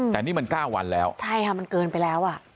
แต่นี่มัน๙วันแล้วใช่ค่ะมันเกินไปแล้วอ่ะ